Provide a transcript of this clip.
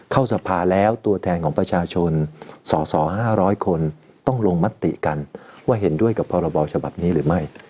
เข้าสภาแล้วตัวแทนของประชาชนสส๕๐๐คนต้องลงมติกันว่าเห็นด้วยกับพรบฉบับนี้หรือไม่